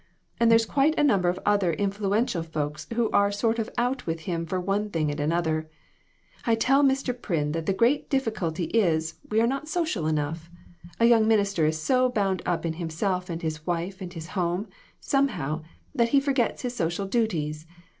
And there's quite a number of other influential folks who are sort of out with him for one thing and another. I tell Mr. Pryn that the great difficulty is, we are not social enough. A young minister is so bound up in himself and his wife and his home, somehow, that he forgets his social duties.